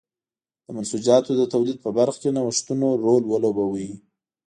د منسوجاتو د تولید په برخه کې نوښتونو رول ولوباوه.